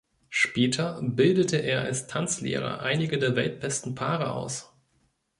Später bildete er als Tanzlehrer einige der weltbesten Paare aus.